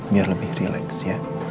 biar lebih relax ya